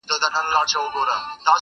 او که ولاړم تر قیامت پوري مي تله دي!!..